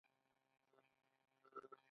پاچا د عبدالرحمن جامع جومات افتتاح کړ.